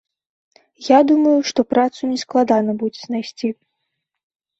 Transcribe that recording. Я думаю, што працу нескладана будзе знайсці.